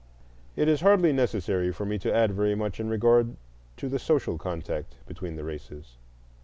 It is hardly necessary for me to add very much in regard to the social contact between the races.